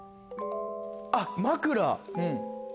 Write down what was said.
あっ枕。